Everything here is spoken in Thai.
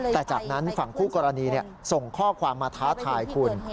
แต่จากนั้นฝั่งคู่กรณีส่งข้อความมาท้าทายคุณ